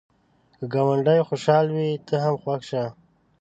که ګاونډی خوشحال وي، ته هم خوښ شه